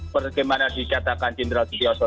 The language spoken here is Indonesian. bagaimana dicatakan jindral jidil soekarno